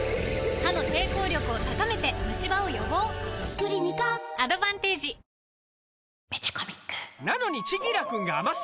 クリニカアドバンテージあれ？